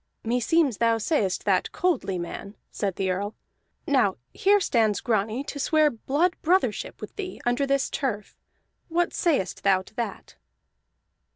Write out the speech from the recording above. "Meseems thou sayest that coldly, man," said the Earl. "Now here stands Grani to swear blood brothership with thee, under this turf. What sayest thou to that?"